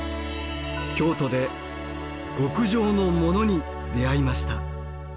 京都で極上のモノに出会いました。